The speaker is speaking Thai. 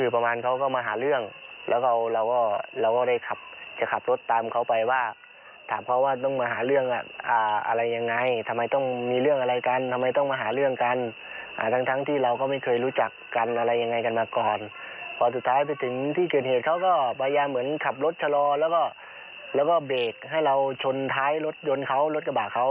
พอสุดท้ายไปถึงที่เกิดเหตุเขาก็พยายามเหมือนขับรถชะลอแล้วก็เบรกให้เราชนท้ายรถยนต์เขารถกระบะเขา